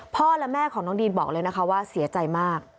พ่อและแม่ของน้องดีนบอกเลยนะคะว่าเสียใจมาก